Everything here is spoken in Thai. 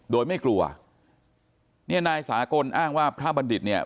โดยไม่กลัวเนี่ยนายสากลอ้างว่าพระบัณฑิตเนี่ย